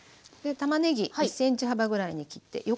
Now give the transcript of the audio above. でたまねぎ１ｃｍ幅ぐらいに切って。